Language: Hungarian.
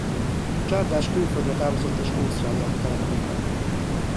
Csárdás külföldre távozott és Ausztráliában telepedett le.